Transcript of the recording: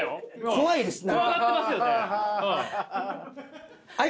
怖いですね。